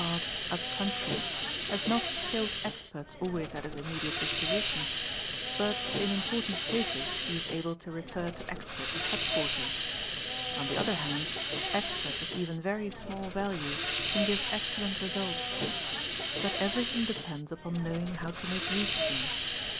part up country, has not skilled experts always at his immediate disposition, but, in important cases, he is able to refer to experts at head quarters; on the other hand, experts of even very small value can give Pe ee ee excellent results; but everything depends upon knowing how to make ise of them.